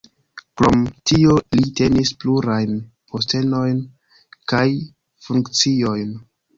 Krom tio li tenis plurajn postenojn kaj funkciojn.